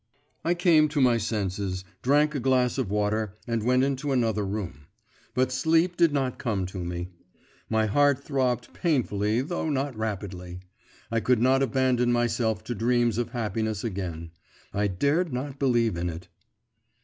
I came to my senses, drank a glass of water, and went into another room; but sleep did not come to me. My heart throbbed painfully though not rapidly. I could not abandon myself to dreams of happiness again; I dared not believe in it.